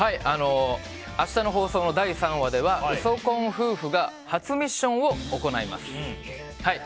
明日の放送、第３話ではウソ婚夫婦が初ミッションを行います。